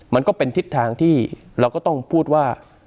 มันก็เป็นทิศทางที่เราก็ต้องพูดว่า